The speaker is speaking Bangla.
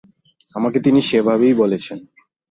আমাকে তিনি সেভাবেই বলেছেন।